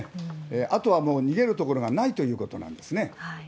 あとはもう逃げる所がないということなんですね。